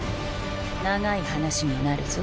長い話になるぞ。